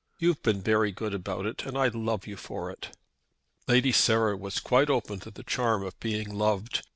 You've been very good about it, and I love you for it." Lady Sarah was quite open to the charm of being loved.